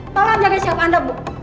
tolong jaga siap anda bu